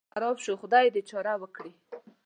احمد کور خراپ شو؛ خدای دې يې چاره وکړي.